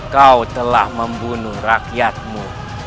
kau telah membunuh rakyatmu